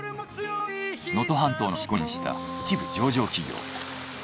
能登半島の端っこに移転した１部上場企業。